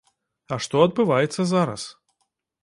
А што адбываецца зараз?